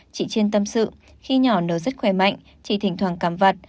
chị chiên tâm sự khi nhỏ nó rất khỏe mạnh chỉ thỉnh thoảng cắm vặt